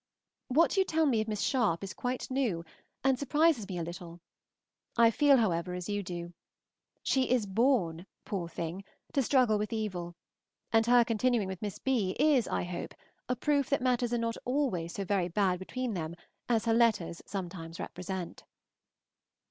What you tell me of Miss Sharpe is quite new, and surprises me a little; I feel, however, as you do. She is born, poor thing! to struggle with evil, and her continuing with Miss B. is, I hope, a proof that matters are not always so very bad between them as her letters sometimes represent.